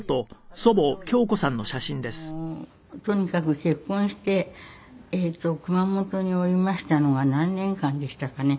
とにかく結婚して熊本におりましたのは何年間でしたかね。